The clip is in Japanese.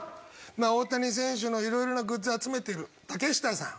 大谷選手のいろいろなグッズ集めてる竹下さん。